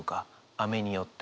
雨によって。